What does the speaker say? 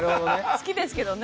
好きですけどね。